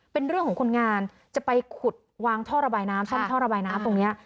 เป็นเรื่องของคนงานจะไปขุดวางท่อระบายน้ำซ่อมท่อระบายน้ำตรงนี้